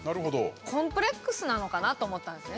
コンプレックスなのかなと思ったんですよね。